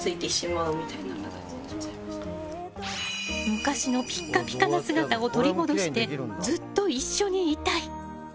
昔のピッカピカの姿を取り戻してずっと一緒にいたい！